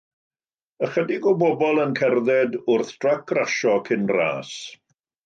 Ychydig o bobl yn cerdded wrth drac rasio cyn ras.